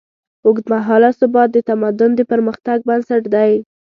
اوږدمهاله ثبات د تمدن د پرمختګ بنسټ دی.